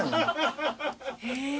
へえ。